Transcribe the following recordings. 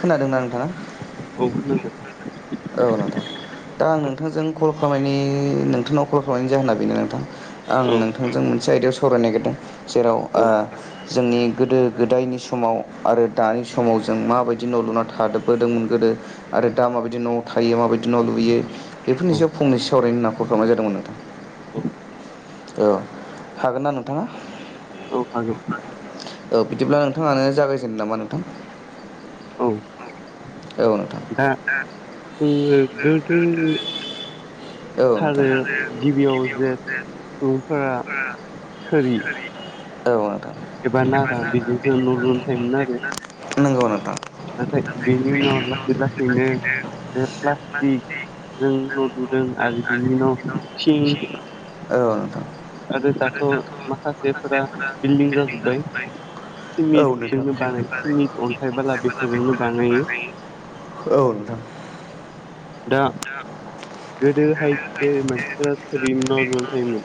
खोनादोंना नोंथाङा औ नोंथां औ नोंथां दा आं नोंथांजों कल ख्लामनायनि नोंथांनाव कल खालामनायनि जाहोना बेनो नोंथां आं नोंथांजों मोनसे आयदायाव सा सावरायनो नागिरदों जेराव आ जोंनि गोदो गोदायनि समाव आरो दानि समाव जों माबाय बिदि न लुना थबोदोंमोन गोदो आरो दा माबायदि नआव थायो माबायदि न लुयो बेफोरनि सायाव फंनैसो सावरायनो होनना कल खालामनाय जादोंमोन नोंथां औ हागोन ना नोंथाङा औ बिदिब्ला नोंथाङानो जागायजेननो नामा नोंथां दा उम गोदो थार गिबियाव जे सुबुंफोरा थोरि औ नो थां नांगौ नोंथां [inaudible] औ नोंथां। आरोद जाथ माखासे फोरा औ नोंथां। औ नोंथां। गोदोहाय जे मानसिफोरा थोरिनि न लुनानै थायोमोन।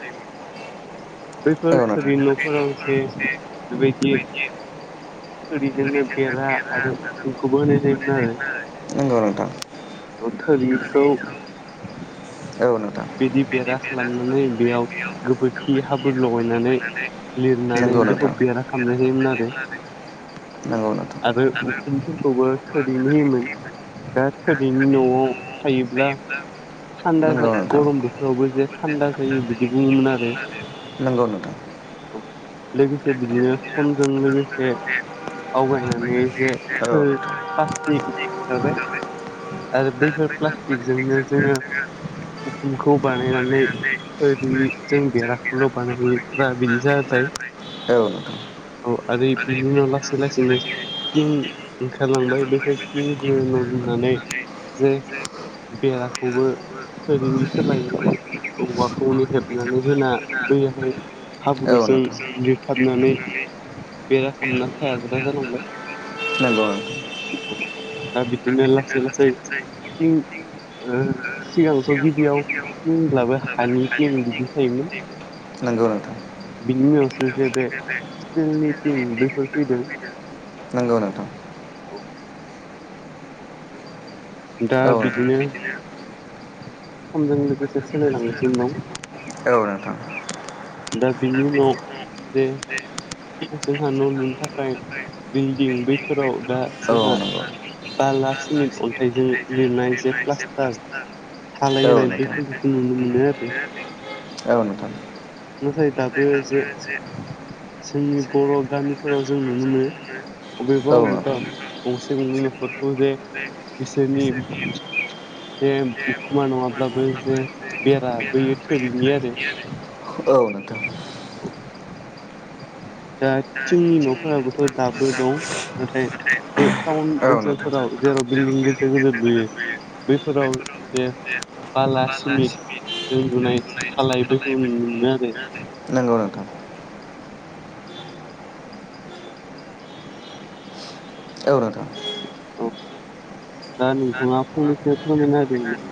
बैफोर थोरि नफोराव जे बेबायदि थोरिजोंनो बेरा आरो उखुमखौबो होनाय जायोमोन आरो ओ थोरिखौ बिदि बेरा खालामनानै बेयाव गोबोरखि हाब्रु लगायनानै लिरनानै बेखौ बेरा खालामनाय जायोमोन आरो आरोउखुमफोरखौ खौबो थोरिनि होयोमोन दा थोदैनि नआव थायोब्ला थान्दा जा गरम बोथोरावबो जे थान्दा जायो बिदि बुङोमोन आरो औ लोगोसे बिदिनो समजों लोगोसे आवगायनानै जे थो प्लास्टिक खारबाय आरो बैफोर प्लास्टिकजोंनो जोङो द [inaudible] बानायनानै जोंनि ह गोबानाययो बेनो ज औ नोंथां। औ आरो बिनि उनाव लासै लासैनो खारलांबाय बेफोरथिं जो न लोननानै जे बेराखौबो थोरिनि सोलाय औवाखौनो हेबनानै होना बैहाय हाब्रु औ नोंथां नोंगौ नों दा बिदिनो लासै लासै थिं ओ सिगांथ' गिबियाव थिंब्लाबो हानि थिं बिदि थायोमोन। बिनि उनावसो जे बे स्टिलनि थिं बेफोर फैदों। औ दा बिदिनो समजों लोगोस सो-सोलायलांगासिनो दं। दा बेनि उनाव जे जोंहा न' लुनो थाखाय बिल्दिं बैफोराव दा जोंहा बाला सिमेन्ट अन्थाइजों लिरनाय जे प्लास्टार धालाय होनाय बेफोरखौसो नुनो मोनो आरो औ नोंथां। नाथाय दाबो जे जोंनि बर' गामिफोराव जों नुनो मोनो अबेबा अबेबा गंसे गंनै न' खौ जे बिसोरनि जे अखुमा नङाब्लाबो जे बेराबोयो थोरैनि आरो दा थिंनि न'फोराबोथ' दाबो दं नाथाय टाउन ओनसोलफोराव जेर बिल्डिं गिदेर गिदेर लुयो बैफोराव जे नोंगौ नोंथां। [inaudible] औ नोंथां। दा नोंथाङा फंनैसो फोरमायनो होदो नामा?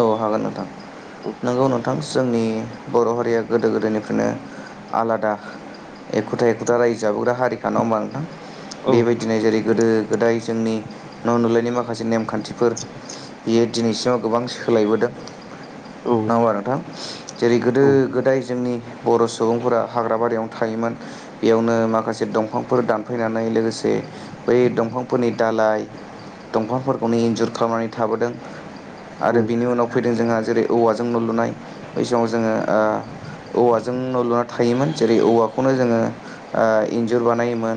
औ हागोन नोंथां नोंगौ नोंथां। जोंनि बर' हारिया गोदो गोदायनिफ्रायनो आलादा एखु'था एखुथा रायजो जाबोग्रा हारिखा नङा ओमबा नोंथां। बेबायदिनो जेरै गोदो गोदाय जोंनि न' नुलायनाय माख माखासे नेमखान्थिफोर बियो दिनैसिमाव गोबां सोलायबोदों नङा ओमबा नोंथा जेरै गोदो गोदाय जोंनि बर' सुबुंफोरा हाग्रा बारियावनो थायोमोन बेयावनो माखासे दंफांफोर दानफैनानै लोगोसे दे बै दंफांफोरनि दालाइ दंफांफोरखौनो इन्जुर खालामनानै थाबोदों आरो बिनि उनाव फैदों जोंहा जेरै औवाजों न' लुनाय बै समाव जोङो औवाजों न' लुना थायोमोन जेरै औवाखौनो जोङो इन्जुर बानायोमोन।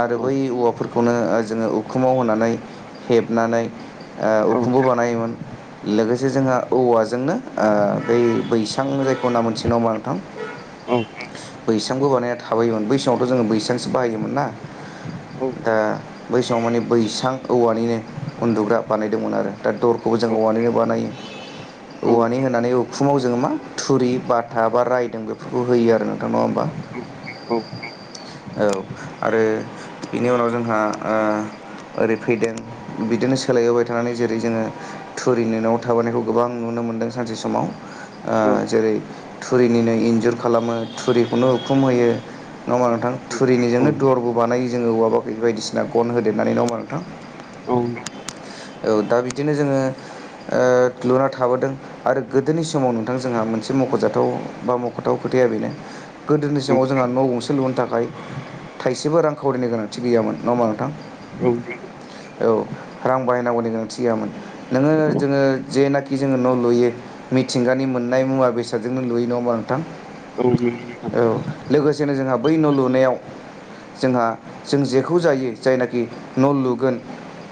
आरो बै औवाफोरखौनो जोङो उखुमाव होनानै हेबनानै उखुंबो बानायोमोन लोगोसे जोंहा औवाजोंनो बै बैसां जाय खना मोनसे नङा ओमबा नोंथां? बैसांबो बानायना थाबायोमोन बै समावथ' जोङो बैसांसो बाहायोमोन ना दा माने बैसां औवानिनो उन्दुग्रा बानायदोंमोन आरो दा दरखौबो जों औवानिनो बानायो। औवानि होनानै फुंआव जोङो मा थुरि बाथा बा रायदों बेफोरखौ होयो आरो नोंथां नङा ओमबा? औ औ आरो बेनि उनाव जोंहा ओरै फैदों बिदिनो सोलायबोबाय थानानै जेरै जोङो थुरिनि न'आव थाबोनायखौ गोबां नुनो मोनो। नो मोनदों सानसे समाव जेरै थुरिनिनो इन्जर खालामो थुरिखौनो उखुम होयो नङा ओमबा नोंथां? थुरिनिजोंनो दरबो बानायो जोङो औवा बायदिसिना गन होदेरनानै नङा ओमबा नोंथां? औ दा बिदिनो जोङो लुना थाबोदों आरो गोदोनि समाव नोंथां जोंहा मोनसे मख'जाथाव बा मख'थाव [unintelligible] बेनो गोदोनि समाव जोंहा न' गंसे लुनो थाखाय थाइसेबो रां खावरिनि गोनांथि गैयामोन ।नङा होमबा नोंथां औ बेखौ औ रां बाहायनांगौनि गोनांथि गैयामोन। नोङो जोङो जेनाखि जोङो न' लुयो मिथिंगानि मोननाय मुवा बेसादजोंनो लुयै नङा होनबा नों थां लोगोसेनो जों बै न' लु नायाव जोंहा जों जेखौ जायो जायनाखि न' लुगोन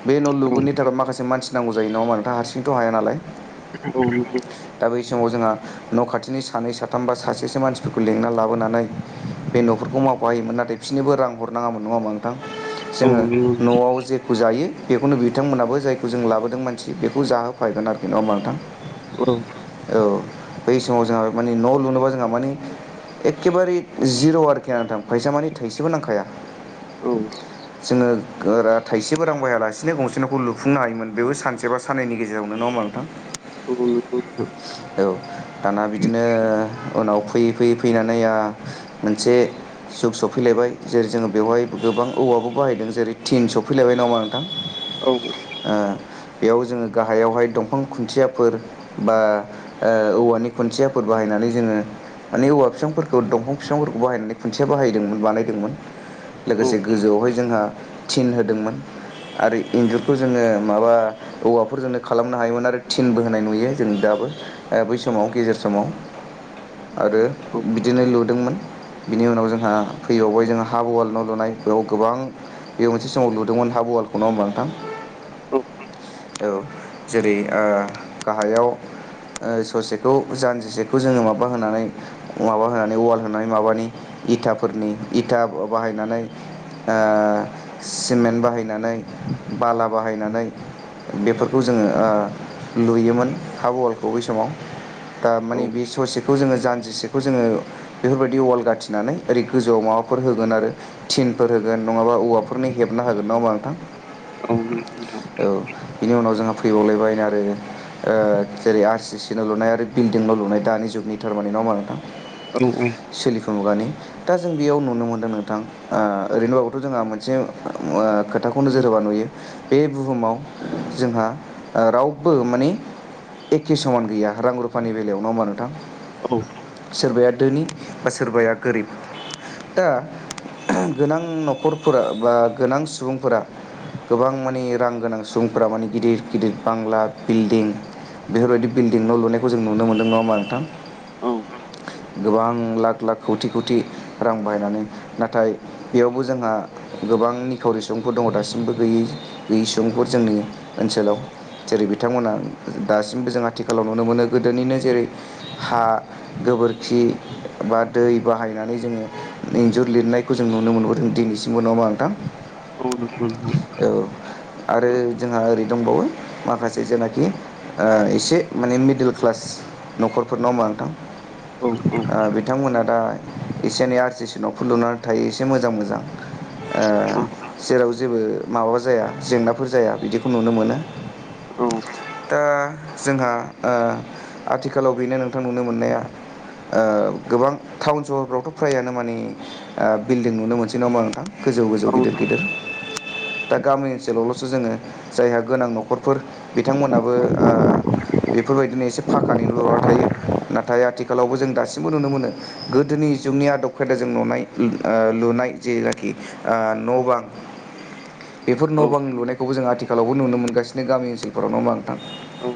बे न लुगोननि थाखाय माखासे मानसि नांगौ जायो नङा हमबा नोंथां हारसिंथ' हाया नालाय दा बै समाव जोंहा न' खाथिनि सानै साथाम बा सासेसो मानसिफोरखौ लेंना लाबोनानै बे न'फोरखौ माव योमोन नाथाय बिसोरनोबो रां हरनाङामोन नङा हमबा नोंथां । जोङो न'आव जे खौ जायो बेखौनो बिथांमोनाबो जायखौ जों लाबोदों मानसि बेखौ जाहोफागोन आरोखि नङा हमबा नोंथां औ बै समाव जोंहा मानि न' लुनोबा जोंहा मानि एखेबारे जिर' आरोखि नोंथां फैसा मानि थायसेबो नांखाया औ जोङो गोरा थाइसेबो रां बाहायालासेनो गंसे न'खौ लुफुंनो हायोमोन ।बेबो सानसे बा साननैनि गेजेरावनो नङा हमबा नोंथां औ दाना बिदिनो उनाव फैयै फैयै फैनानै आंहा मोनसे जुग सफैलायबाय जेरै जोङो बेवहाय गोबां औवाबो बाहायदों जेरै थिन सौफैलायबाय नङा हमबा नोंथां ओ बेयाव जोङो गाहायावहाय दंफां खुन्थियाफोर बा औवानि खुन्थियाफोर बाहायनानै जोङो माने औवा बिफांफोरखौ दंफां बिफांफोरखौ बाहायनानै खुन्थिया बाहायदोंमोन बानायदोंमोन लोगोसे गोजौआवहाय जोंहा थिन होदोंमोन आरो इन्जुरखौ जोङो माबा औवाफोर जोंनो खालामनो हायोमोन आरो थिनबो होनाय नुयो जों दा बै समाव गेजेर समाव आरो बिदिनो लुदोंमोन बिनि उनाव जोंहा फैबावाय जोंहा हाफ अवाल न' लुनाय बेयाव गोबां बेबो मोनसे समाव लुदोंमोन हाफ अवालखौ नङा होमबा नोंथां ।औ जेरै ओ गाहायाव ओ ससेखौ जानजिसेखौ जोङो माबा होनानै माबा होनानै अवाल होनानै माबानि इथाफोरनि इथा बाहायनानै ओ सिमेन्ट बाहायनानै बाला बाहायनानै बेफोर खौ जोङो ओ लुयोमोन। हाफ अवालखौ बै समाव दा मानि बे ससेखौ जोङो जानजिसेखौ जोङो बेफोरबायदि अवाल गाथि नानै ओरै गोजौआव माबाफोर होगोन आरो थिनफोर होगोन नङाबा औवाफोरनि हेबना होगोन नङा होमबा नोंथां औ बिनि उनाव जोंहा फैबावलायबाय आरो ओ जेरै आर सि सि न' लुनाय आरो बिल्डिं न' लुनाय दानि जुगनि थारमानि नङा हमबा नोंथां औ औ दा जों बेयाव नुनो मोनदों नोंथां ओ ओरैनोबाबोथ' जोंहा मोनसे खोथाखौ नोजोर होबा नुयो ।बे बुहुमाव जोंहा रावबो माने एखे समान गैया रां रुफानि बेलायाव नङा होमबा नोंथां! औ सोरबाया धोनि बा सोरबाया गोरिब दा गोनां न'खरफोरा बा गोनां सुबुंफोरा गोबां माने रां गोनां सुबुंफोरा माने गिदिर गिदिर बांला बिल्डिं बेफोरबायदि बिल्डिं न लुनायखौ जों नुनो मोन्दों नङा हमबा नोंथां! गोबां लाख लाख खौथि खौथि रां बाहायनानै नाथाय बेयावबो जोंहा गोबां निखावरि सुबुं सुफोर दङ दासिमबो गैयै गैयै सुबुंफोर जोंनि ओनसोलाव जेरै- बिथांमोना दा दासिमबो जों आथिखालाव नुनो मोनो गोदोनिनो जेरै हा गोबोरखि बा दै बाहायनानै जोङो इन्जुर लिरनायखौ जों नुनो मोनबोदों दिनैसिमबो नङा हमबा नोंथां औ आरो जोंहा ओरै दंबावो माखासे जेनाखि एसे माने मिडिल क्लास न'खरफोरनाव मा नोंथां औ औ बिथांमोना दा एसे एनै आर सि सि नफोर लुनानै थायो एसे मोजां मोजां जेराव जेबो माबा जाया जेंनाफोर जाया बिदिखौ नुनो मोनो [unintelligible] जोंहा ओ आथिखालाव बेनो नोंथां नुनो मोननाया ओ गोबां टाउन सहरफ्रावथ फ्राययानो माने ओ बिल्डिं नुनो मोनसै नामा नोंथां। गोजौ गोजौ गिदिर गिदिर। दा गामि ओनसोलावलसो जोङो जायहा गोनां नखरफोर बिथांमोनाबो ओ बेफोर बायदिनो एसे फाखानि लुनानै थायो नाथाय आथिखालावबो जों दासिम नुनो मोनो गोदोनि जुगनि आदब खायदाजों नुनाय ओ लुनाय जेनाखि ओ न बां बेफोर न बां लुनायखौबो जों आथिखालावबो नुनो मोनगासिनो गामि ओनसोलफोरावनो नङा होनबा नोथां। औ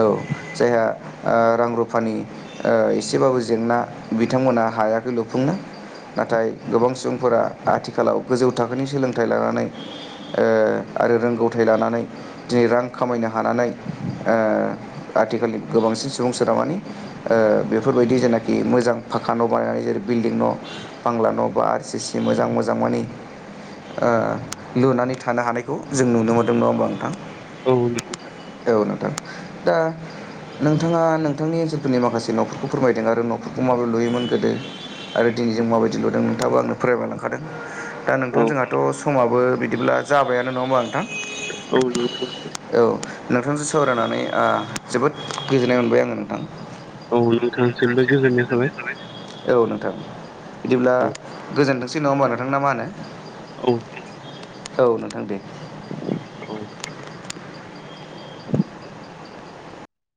औ जायहा ओ रां रुफानि ओ एसेबाबो जेंना बिथांमोनहा हायाखै लुफुंनो। नाथाय गोबां सुबुंफोरा आथिखालाव गोजौ थाखोनि सोलोंथाइ लानानै ओ आरो रोंगौथाय लानानै दिनै रां खामायनो हानानै ओ आथिखालनि गोबांसिन सोदोबमानि ओ बेफो बेफोर बायायदि जेनाखि मोजां फाखा बानायनानै जेरै बिल्डिं न बांला न बा आर सि सि मोजां मोजां माने ओ लुनानै थानो हानायखौ जों नुनो मोनदों नङा होमबा नोंथां। औ नोथां दा नोंथाङा नोंथांनि ओनसोलफोरनि माखासे न फोरमायदों आरो नखरफोरखौ माबोरै लुयोमोन गोदो आरो दिनै जों माबायदि लुदों नोंथाङाबो आंनो फोरमाय लांखादों दा नोंथां जोंहाथ समाबो बिदिब्ला जाबायनो नङा होमब्लाा नोंथां। औ नो औ नोंथांजों सावरायनानै ओ जोबोद गोजोननाय मोनबाय आङो नोंथां। औ नोंथां। बिदिब्ला गोजोनथोंसै नङा होमबा नोंथां मा होनो। [inaudible] औ नोंथां दे। औ